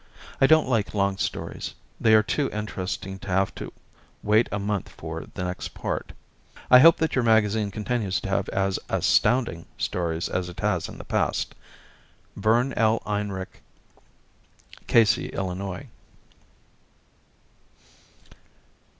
I don't like long stories. They are too interesting to have to wait a month for the next part. I hope that your magazine continues to have as "astounding" stories as it has in the past. Vern L. Enrich, R. F. D. 1, Casey, Illinois.